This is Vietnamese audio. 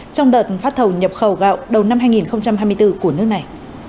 trong đợt phát thầu nhập khẩu gạo đầu năm hai nghìn hai mươi bốn của nước này